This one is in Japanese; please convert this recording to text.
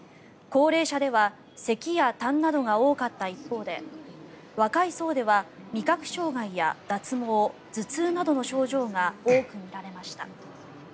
高齢者ではせきやたんなどが多かった一方で若い層では味覚障害や脱毛頭痛などの症状が多く見られました。